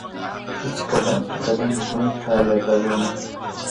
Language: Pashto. زه چي قدم پر قدم ږدم تا یادومه!.